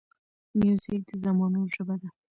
موزیک د زمانو ژبه ده.